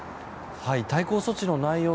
対抗措置の内容